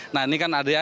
nah ini kan ada ya